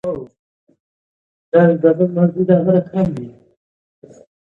زرګونه افغان زدکوونکي د لوړو زده کړو لپاره شوروي ته ولېږل شول.